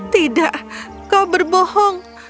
tidak kau berbohong